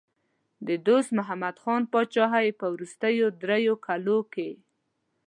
د دوست محمد خان پاچاهۍ په وروستیو دریو کالو کې.